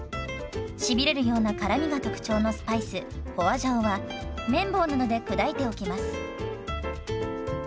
しびれるような辛みが特徴のスパイス花椒は麺棒などで砕いておきます。